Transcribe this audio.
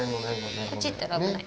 こっち行ったら危ない。